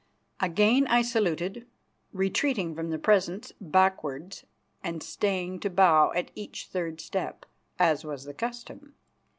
Again I saluted, retreating from the presence backwards and staying to bow at each third step, as was the custom.